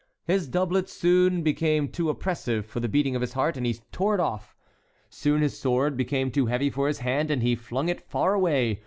His doublet soon became too oppressive for the beating of his heart and he tore it off. Soon his sword became too heavy for his hand and he flung it far away.